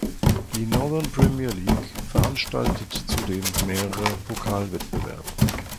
Die "Northern Premier League" veranstaltet zudem mehrere Pokalwettbewerbe.